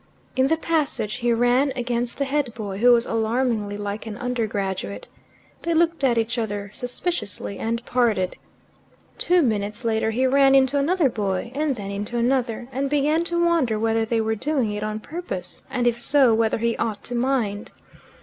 In the passage he ran against the head boy, who was alarmingly like an undergraduate. They looked at each other suspiciously, and parted. Two minutes later he ran into another boy, and then into another, and began to wonder whether they were doing it on purpose, and if so, whether he ought to mind.